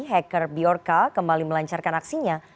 hacker bjorka kembali melancarkan aksinya